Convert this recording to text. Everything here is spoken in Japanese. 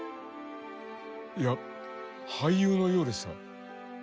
いや俳優のようでした。